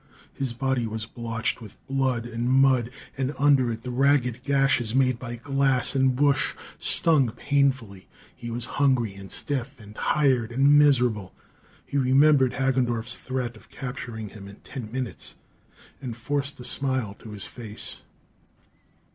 His body was blotched with blood and mud, and under it the ragged gashes made by glass and bush stung painfully; he was hungry and stiff and tired and miserable. He remembered Hagendorff's threat of capturing him in ten minutes, and forced a smile to his face.